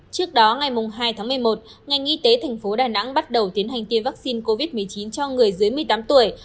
trước đó ngày hai tháng một mươi một ngành y tế thành phố đà nẵng bắt đầu tiến hành tiêm vaccine covid một mươi chín cho người dưới một mươi tám tuổi